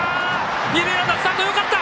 二塁ランナー、スタートよかった。